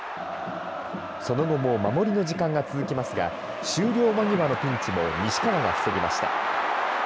その後も守りの時間が続きますが終了間際のピンチも西川が防ぎました。